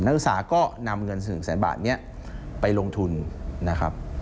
นักศึกษาก็นำเงิน๑แสนบาทนี้ไปลงทุนนะครับ